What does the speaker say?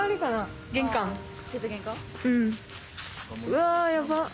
・うわやばっ！